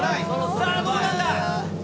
さあ、どうなんだ？